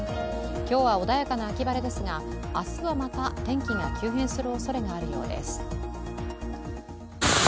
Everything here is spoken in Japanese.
今日は穏やかな秋晴れですが明日もまた天気が急変するおそれがあるようです。